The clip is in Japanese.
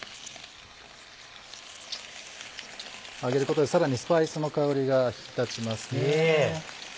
揚げることでさらにスパイスの香りが引き立ちますね。